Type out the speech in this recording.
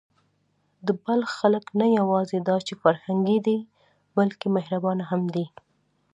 د بلخ خلک نه یواځې دا چې فرهنګي دي، بلکې مهربانه هم دي.